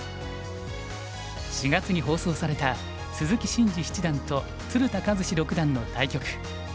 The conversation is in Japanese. ４月に放送された鈴木伸二七段と鶴田和志六段の対局。